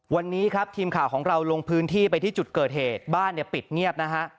วันนี้ครับทีมข่าวของเราลงพื้นที่ไปที่จุดเกิดเหตุบ้านเนี่ยปิดเงียบนะฮะ